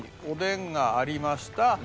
おでんがありました